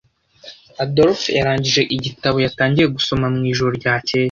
Adolphe yarangije igitabo yatangiye gusoma mwijoro ryakeye.